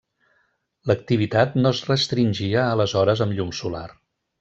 L'activitat no es restringia a les hores amb llum solar.